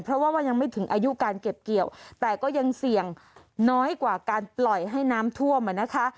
เพราะว่ามันยังไม่ถึงอายุการเก็บเกี่ยวแต่ก็ยังเสี่ยงน้อยกว่าการปล่อยให้น้ำท่วมอ่ะนะคะ